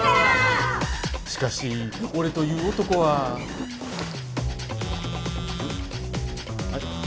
しかし俺という男はあれ？